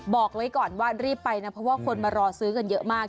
บอกไว้ก่อนว่ารีบไปนะเพราะว่าคนมารอซื้อกันเยอะมาก